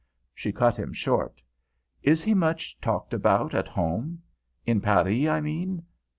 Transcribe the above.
She cut him short. "Is he much talked about at home? In Paris, I mean?